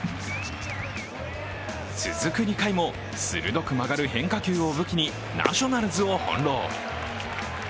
続く２回も、鋭く曲がる変化球を武器にナショナルズを翻弄。